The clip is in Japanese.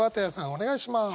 お願いします。